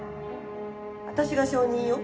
私が証人よ。